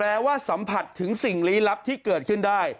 ว่าสัมผัสถึงสิ่งลี้ลับที่เกิดขึ้นได้